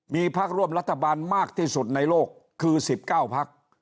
มีพักร่วมรัฐบาลมากที่สุดในโลกคือ๑๙พัก